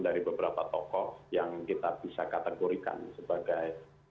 dari beberapa tokoh yang kita bisa kategorikan sebagai